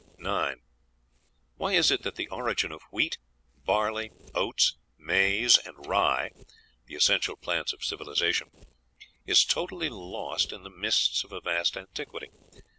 9. Why is it that the origin of wheat, barley, oats, maize, and rye the essential plants of civilization is totally lost in the mists of a vast antiquity?